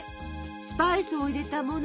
スパイスを入れたもの